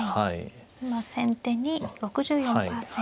今先手に６４％ですね。